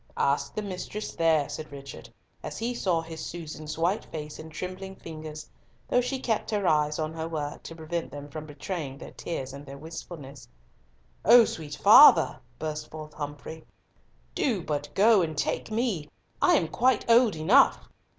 "Ask the mistress, there," said Richard, as he saw his Susan's white face and trembling fingers, though she kept her eyes on her work to prevent them from betraying their tears and their wistfulness. "O sweet father," burst forth Humfrey, "do but go, and take me. I am quite old enough."